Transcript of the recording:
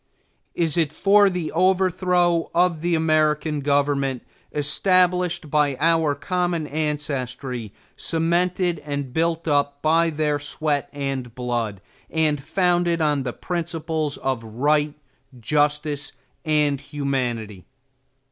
Is it for the overthrow of the American government, established by our common ancestry, cemented and built up by their sweat and blood, and founded on the broad principles of right, justice, and humanity?